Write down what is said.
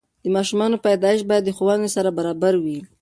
د ماشومانو پیدایش باید د ښوونې سره برابره وي.